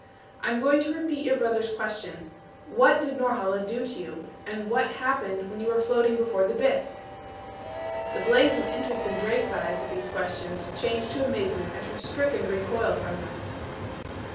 "I'm going to repeat your brother's question what did Norhala do to you? And what happened when you were floating before the Disk?" The blaze of interest in Drake's eyes at these questions changed to amazement at her stricken recoil from them.